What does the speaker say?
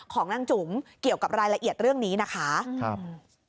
ของนางจุ๋มเกี่ยวกับรายละเอียดเรื่องนี้นะคะครับ